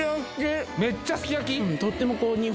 めっちゃすき焼き？